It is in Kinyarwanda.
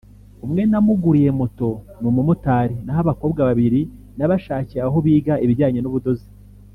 umwe namuguriye moto ni umumotari naho abakobwa babiri nabashakiye aho biga ibijyanye n’ubudozi